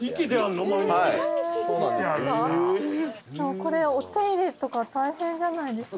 これお手入れとか大変じゃないですか？